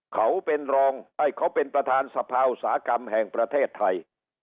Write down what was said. เขาเป็นรองย์เขาเป็นประทานภาวสาธารณ์แห่งประเทศไทย